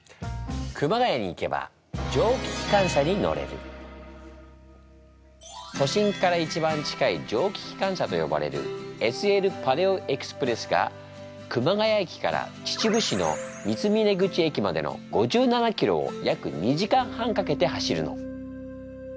熊谷に行けば都心から一番近い蒸気機関車とよばれるＳＬパレオエクスプレスが熊谷駅から秩父市の三峰口駅までの５７ｋｍを約２時間半かけて走るの。